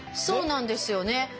そうなんですよね。